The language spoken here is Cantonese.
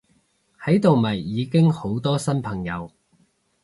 喺度咪已經好多新朋友！